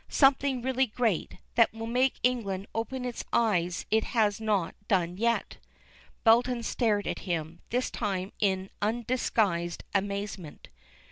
Something really great, that will make England open its eyes as it has not done yet." Belton stared at him, this time in undisguised amazement.